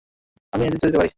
আমি নেতৃত্ব দিতে পারি।